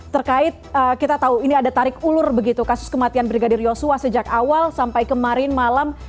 terkait kita tahu ini ada tarik ulur begitu kasus kematian brigadir yosua sejak awal sampai kemarin malam